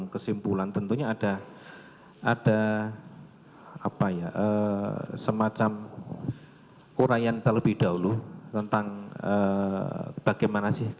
kesimpulan tentunya ada ada apa ya eh semacam uraian terlebih dahulu tentang bagaimana sih